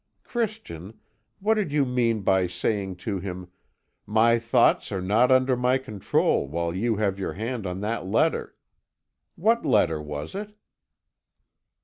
Christian, what did you mean by saying to him, 'My thoughts are not under my control while you have your hand on that letter'? What letter was it?"